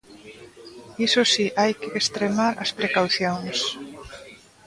Iso si, hai que extremar as precaucións.